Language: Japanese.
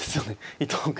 伊藤君。